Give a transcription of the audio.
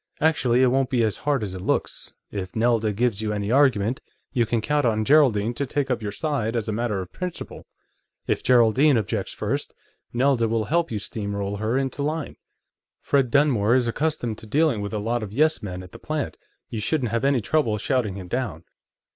"Actually, it won't be as hard as it looks. If Nelda gives you any argument, you can count on Geraldine to take your side as a matter of principle; if Geraldine objects first, Nelda will help you steam roll her into line. Fred Dunmore is accustomed to dealing with a lot of yes men at the plant; you shouldn't have any trouble shouting him down.